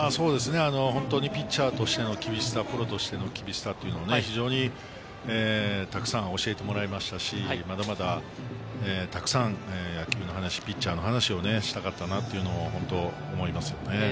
ピッチャーとしての厳しさ、プロとしての厳しさというのを非常にたくさん教えてもらいましたし、まだまだたくさん、野球の話やピッチャーの話をしたかったなというのを本当に思います。